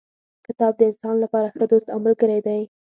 کتاب د انسان لپاره ښه دوست او ملګری دی.